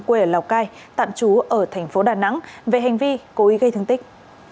quê ở lào cai tạm trú ở thành phố đà nẵng về hành vi cố ý gây thương tích